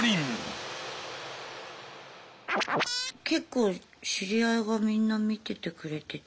結構知り合いがみんな見ててくれてて。